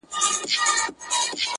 قسم چې تر څو ددې خاوري